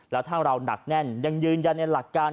แล้วถ้าเราหนักแน่นยังยืนยันในหลักการ